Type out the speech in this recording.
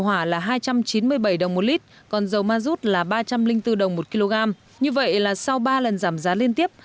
hỏa là hai trăm chín mươi bảy đồng một lít còn dầu ma rút là ba trăm linh bốn đồng một kg như vậy là sau ba lần giảm giá liên tiếp